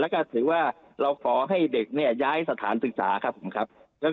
แล้วก็ถือว่าเราขอให้เด็กเนี่ยย้ายสถานศึกษาครับผมครับ